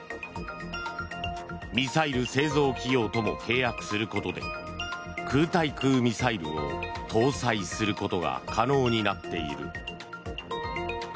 ミサイル製造企業とも契約することで空対空ミサイルを搭載することが可能になっている。